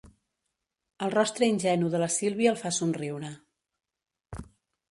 El rostre ingenu de la Sílvia el fa somriure.